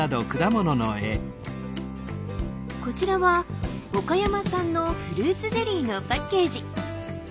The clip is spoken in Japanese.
こちらは岡山産のフルーツゼリーのパッケージ。